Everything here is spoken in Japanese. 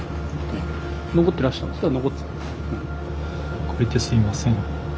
「おくれてすいません」。